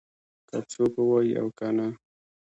که څوک ووايي او که نه.